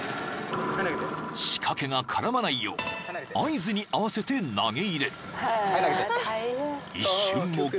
［仕掛けが絡まないよう合図に合わせて投げ入れる］